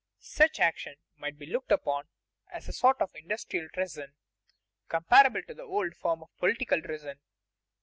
Such action must be looked upon as a sort of industrial treason, comparable to the old form of political treason.